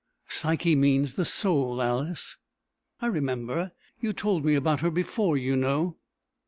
_ Psyche means the soul, Alice." "I remember. You told me about her before, you know."